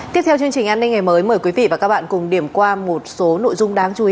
tiếp theo chương trình an ninh ngày mới mời quý vị và các bạn cùng điểm qua một số nội dung đáng chú ý